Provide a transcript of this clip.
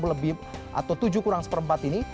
lebih atau tujuh kurang seperempat ini